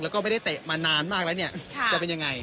แล้วก็ไม่ได้เตะมานานมากแล้วจะเป็นอย่างไร